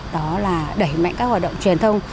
đó là đẩy mạnh các hoạt động truyền thông